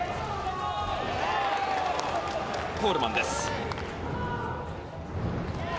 コールマンです。